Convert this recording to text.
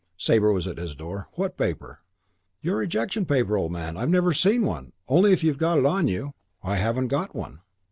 Sabre was at his door. "What paper?" "Your rejection paper, old man. I've never seen one. Only if you've got it on you." "I haven't got one."